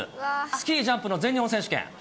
スキージャンプの全日本選手権。